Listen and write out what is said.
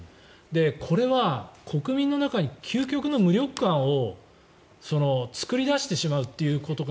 これは国民の中に究極の無力感を作り出してしまうということが